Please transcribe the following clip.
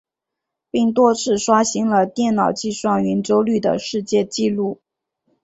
并多次刷新了电脑计算圆周率的世界纪录。